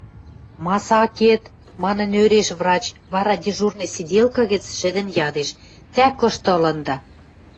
— Масакет! — манын ӧреш врач, вара дежурный сиделка гӹц шӹдӹн ядеш: — Тӓ кышты ылында?